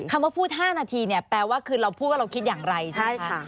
คำว่าพูด๕นาทีเนี่ยแปลว่าคือเราพูดว่าเราคิดอย่างไรใช่ไหมคะ